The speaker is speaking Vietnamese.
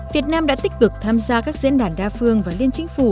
việt nam đã tích cực tham gia các diễn đàn đa phương và liên chính phủ